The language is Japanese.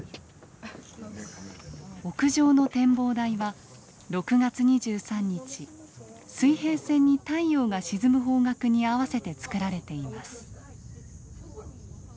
屋上の展望台は６月２３日水平線に太陽が沈む方角に合わせてつくられています。